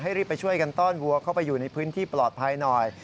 รีบไปช่วยกันต้อนวัวเข้าไปอยู่ในพื้นที่ปลอดภัยหน่อย